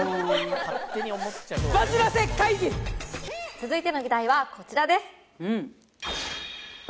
続いての議題はこちらです。